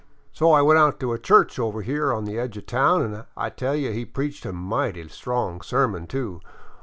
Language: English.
So I went out to a church over here on the edge of town an' I tell you he preached a mighty strong sermon, too.